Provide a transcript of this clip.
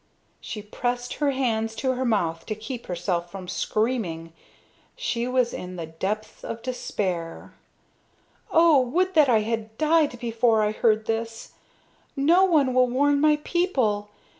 She pressed her hands to her mouth to keep herself from screaming. She was in the depths of despair. "Oh, would that I had died before I heard this. No one will warn my people.